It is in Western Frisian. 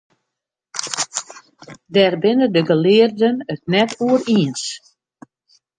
Dêr binne de gelearden it net oer iens.